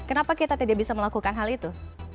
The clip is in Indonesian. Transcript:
kenapa kita tidak bisa melakukan hal itu